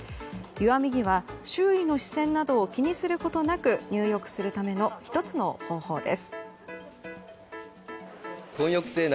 湯あみ着は周囲の視線を気にすることなく入浴するための１つの方法です。